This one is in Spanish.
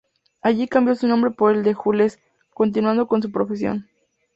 Allí cambió su nombre por el de "Jules", continuando con su profesión.